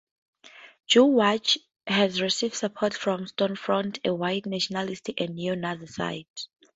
Jew Watch has received support from Stormfront, a white nationalist and neo-Nazi site.